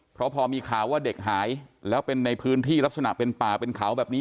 เพราะพอมีข่าวว่าเด็กหายแล้วเป็นในพื้นที่ลักษณะเป็นป่าเป็นเขาแบบนี้